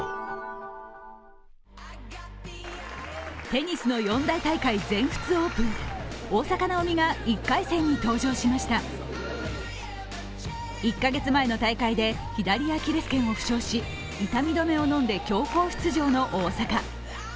テニスの四大大会・全仏オープン大坂なおみが１回戦に登場しました１カ月前の大会で左アキレスけんを負傷し痛み止めを飲んで強行出場の大阪。